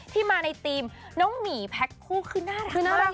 ที่มาในธีมน้องหมี่แพลกผู้คือน่ารักมากจริง